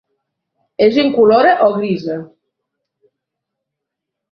És incolora o grisa.